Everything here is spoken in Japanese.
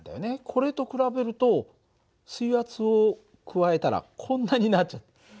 これと比べると水圧を加えたらこんなになっちゃった。